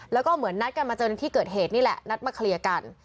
แล้วก็เหมือนนัดกันมาเจอในที่เกิดเหตุนี่แหละนัดมาเคลียร์กัน